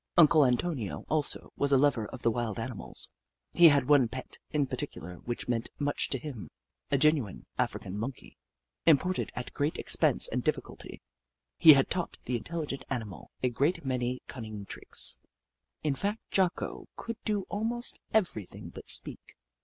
Uncle Antonio, also, was a lover of the wild animals. He had one pet, in particular, which meant much to him — a genuine Afri can Monkey, imported at great expense and difficulty. He had taught the intelligent ani mal a great many cunning tricks — in fact. Jocko could do almost everything but speak.